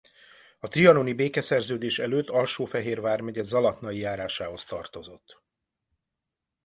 A trianoni békeszerződés előtt Alsó-Fehér vármegye Zalatnai járásához tartozott.